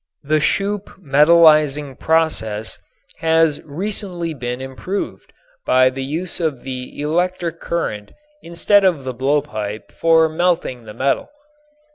The Schoop metallizing process has recently been improved by the use of the electric current instead of the blowpipe for melting the metal.